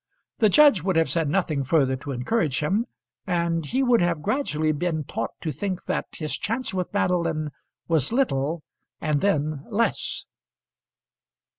The judge would have said nothing further to encourage him, and he would have gradually been taught to think that his chance with Madeline was little, and then less.